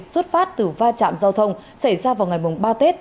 xuất phát từ va chạm giao thông xảy ra vào ngày ba tết